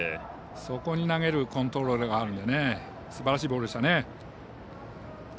そこに投げるコントロールがあるのですばらしいボールでしたね。